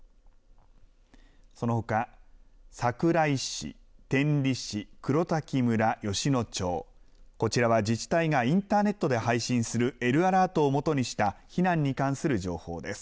そのほか桜井市、天理市、黒滝村、吉野町、こちらは自治体がインターネットで配信するＬアラートをもとにした避難に関する情報です。